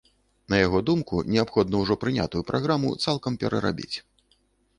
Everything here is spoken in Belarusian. На яго думку, неабходна ўжо прынятую праграму цалкам перарабіць.